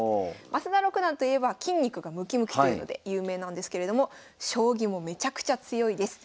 増田六段といえば筋肉がムキムキというので有名なんですけれども将棋もめちゃくちゃ強いです。